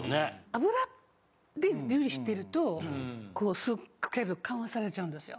油で料理してると酢をかけると緩和されちゃうんですよ。